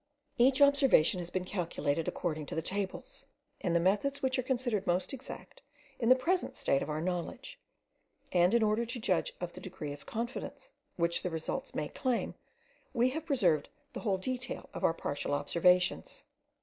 Each observation has been calculated according to the tables and the methods which are considered most exact in the present state of our knowledge; and in order to judge of the degree of confidence which the results may claim, we have preserved the whole detail of our partial operations.